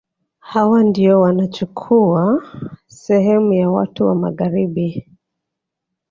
Hawa ndio wanachukua sehemu ya watu wa Magharibi